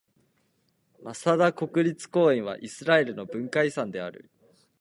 マサダ国立公園はイスラエルの文化遺産である。